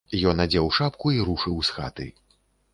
Ён адзеў шапку і рушыў з хаты.